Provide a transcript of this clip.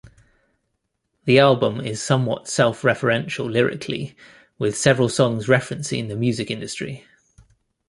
The album is somewhat self-referential lyrically, with several songs referencing the music industry.